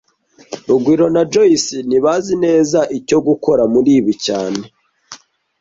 Rugwiro na Joyce ntibazi neza icyo gukora muri ibi cyane